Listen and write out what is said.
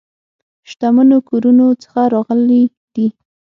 شتمنو کورونو څخه راغلي دي.